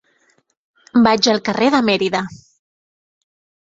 Vaig al carrer de Mérida.